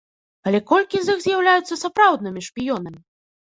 Але колькі з іх з'яўляюцца сапраўднымі шпіёнамі?